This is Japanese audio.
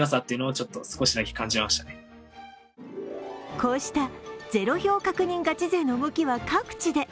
こうした零票確認ガチ勢の動きは各地で。